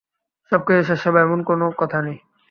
সবকিছু শেষ হবে এমন কোনো কথা নেই।